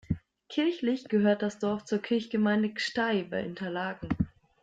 Kirchlich gehört das Dorf zur Kirchgemeinde Gsteig bei Interlaken.